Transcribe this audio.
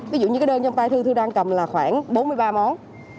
ví dụ như cái đơn trong tay thư thư đang cầm là khoảng bốn mươi ba món